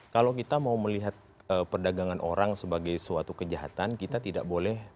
kalau kita mau melihat perdagangan orang sebagai suatu kejahatan kita tidak boleh